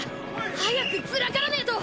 早くずらからねえと！